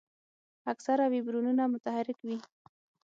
اکثره ویبریونونه متحرک وي.